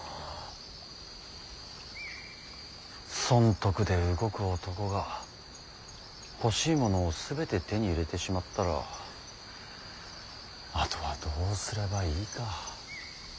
損得で動く男が欲しいものを全て手に入れてしまったらあとはどうすればいいか。